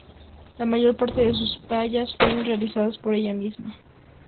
La mayor parte de sus tallas fueron realizadas por ella misma.